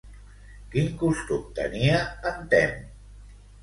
Quin costum tenia en Temme?